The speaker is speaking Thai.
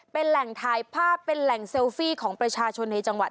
เป็นแหล่งถ่ายภาพเป็นแหล่งเซลฟี่ของประชาชนในจังหวัด